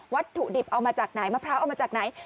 วัตถุดิบเอามาจากไหนมะพร้าวเอามาจากไหน